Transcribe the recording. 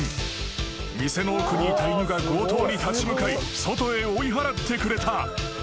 ［店の奥にいた犬が強盗に立ち向かい外へ追い払ってくれた］